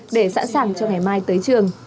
để sẵn sàng cho ngày mai tới trường